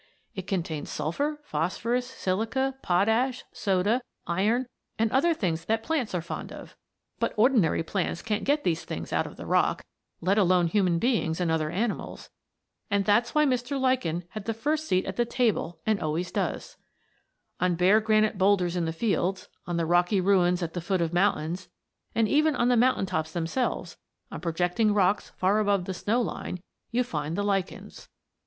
It contains sulphur, phosphorus, silica, potash, soda, iron, and other things that plants are fond of, but ordinary plants can't get these things out of the rock let alone human beings and other animals; and that's why Mr. Lichen had the first seat at the table and always does. "The Strange Adventures of a Pebble." On bare granite boulders in the fields, on the rocky ruins at the foot of mountains, and even on the mountain tops themselves, on projecting rocks far above the snow line, you find the lichens.